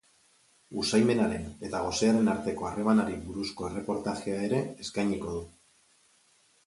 Usaimenaren eta gosearen arteko harremanari buruzko erreportajea ere eskainiko du.